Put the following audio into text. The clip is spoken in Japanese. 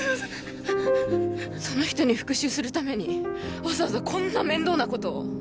その人に復讐するためにわざわざこんな面倒なことを？